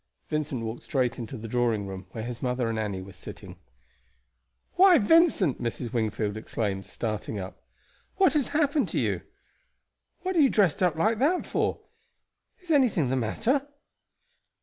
Vincent walked straight into the drawing room, where his mother and Annie were sitting. "Why, Vincent!" Mrs. Wingfield exclaimed, starting up, "what has happened to you? What are you dressed up like that for? Is anything the matter?"